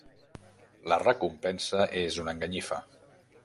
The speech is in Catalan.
La recompensa és una enganyifa.